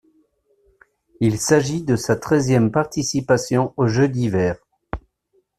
Il s'agit de sa treizième participation aux Jeux d'hiver.